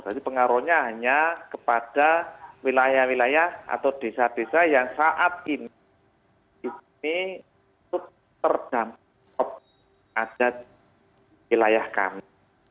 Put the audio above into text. jadi pengaruhnya hanya kepada wilayah wilayah atau desa desa yang saat ini terdampak di wilayah kami